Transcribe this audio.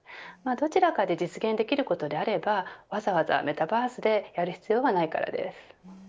どちらかで実現できることであればわざわざメタバースでやる必要はないからです。